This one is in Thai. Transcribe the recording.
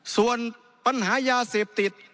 ส่วนปัญหายาเสพติด